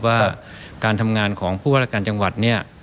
ว่าการทำงานของผู้ว่าราชการจังหวัดเนี่ย